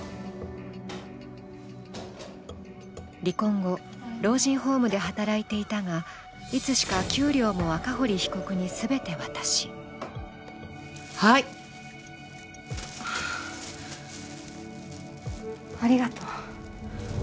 離婚後、老人ホームで働いていたがいつしか給料も赤堀被告に全て渡しありがとう。